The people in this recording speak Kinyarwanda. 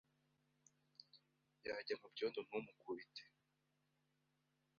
Yajya mu byondo ntumukubite